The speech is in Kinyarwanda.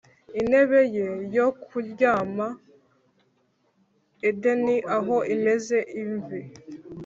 intebe ye yo kuryama edeni, aho imeze imvi